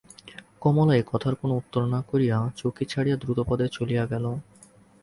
কমলা এ কথার কোনো উত্তর না করিয়া চৌকি ছাড়িয়া দ্রুতপদে চলিয়া গেল।